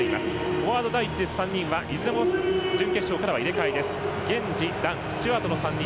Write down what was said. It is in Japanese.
フォワード、３人はいずれも準決勝からは入れ替えです。